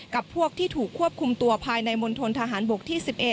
กับพวกที่ถูกควบคุมตัวภายในมณฑนทหารบกที่๑๑